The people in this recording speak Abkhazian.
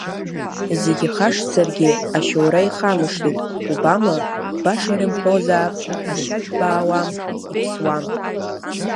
Зегь ихашҭзаргьы, ашьоура ихамшҭит, убама, баша ирымҳәазаап, ашьажә баауам, иԥсуам!